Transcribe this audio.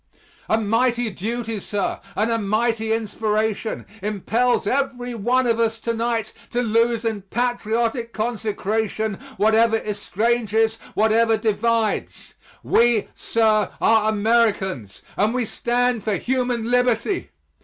A mighty duty, sir, and a mighty inspiration impels every one of us to night to lose in patriotic consecration whatever estranges, whatever divides. We, sir, are Americans and we stand for human liberty!